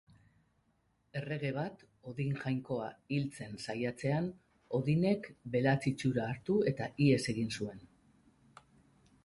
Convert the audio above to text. Errege bat Odin jainkoa hiltzen saiatzean, Odinek belatz itxura hartu eta ihes egin zuen.